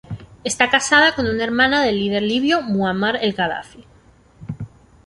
Está casado con una hermana del líder libio, Muamar el Gadafi.